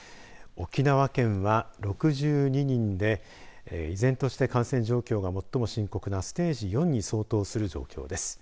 沖縄県は６２人で依然として感染状況が最も深刻なステージ４に相当する状況です。